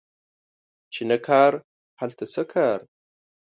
چی نه کار، هلته څه کار